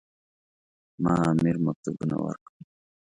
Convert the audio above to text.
ما امیر مکتوبونه ورکړل.